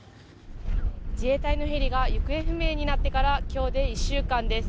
自衛隊のヘリが行方不明になってから今日で１週間です。